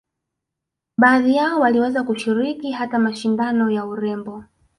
Baadhi yao waliweza kushiriki hata mashindano ya urembo